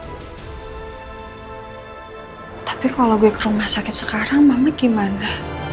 hai tapi kalau gue ke rumah sakit sekarang mama gimana